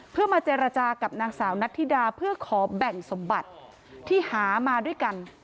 เพื่อมาเจรจากับนางสาวนัทธิดาเพื่อขอแบ่งสมบัติที่หามาด้วยกัน